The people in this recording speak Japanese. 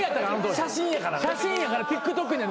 写真やからね。